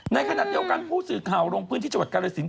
ในขณะเดียวกันผู้สื่อข่าวลงพื้นที่จังหวัดกาลสิน